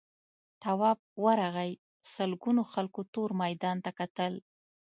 تواب ورغی سلگونو خلکو تور میدان ته کتل.